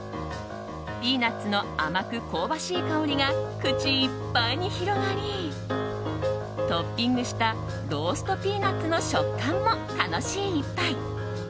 ピーナツの甘く香ばしい香りが口いっぱいに広がりトッピングしたローストピーナツの食感も楽しい１杯。